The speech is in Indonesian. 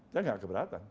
dia tidak keberatan